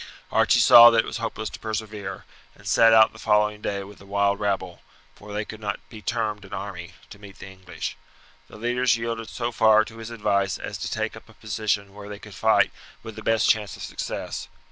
Archie saw that it was hopeless to persevere, and set out the following day with the wild rabble, for they could not be termed an army, to meet the English. The leaders yielded so far to his advice as to take up a position where they would fight with the best chance of success.